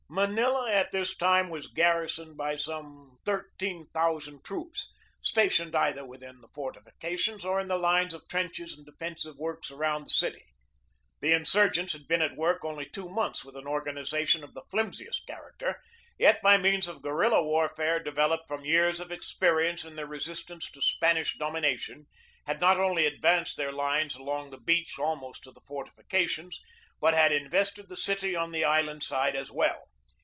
Manila at this time was garrisoned by some thirteen thousand troops, stationed either within the fortifications or in the lines of trenches and defensive works around the city. The insurgents had been at work only two months with an organization of the flimsiest character, yet by means of guerilla warfare, developed from years of experience in their resistance to Spanish domination, had not only advanced their lines along the beach almost to the fortifications, but had invested the city on the inland side as well.